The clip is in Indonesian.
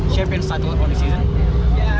dan sekarang f satu powerboat juga terdiri di volcano lake